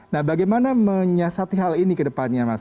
nah bagaimana menyiasati hal ini ke depannya mas